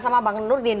sama bang nurdin